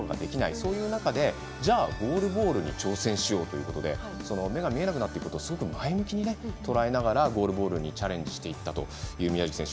そういう中でじゃあ、ゴールボールに挑戦しようということで目が見えなくなったことをすごく前向きにとらえながらゴールボールにチャレンジしていったという宮食選手。